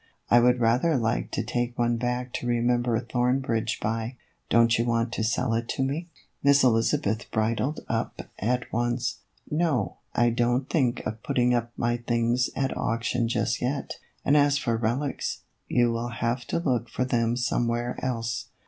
I would rather like to take one back to remember Thorn bridge by. Don't you want to sell it to me ?" Miss Elizabeth bridled up at once. " No, I don't think of putting up my things at auction just yet ; and as for relics, you will have to look for them somewhere else.